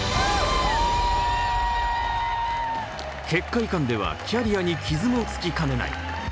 結果いかんではキャリアに傷もつきかねない。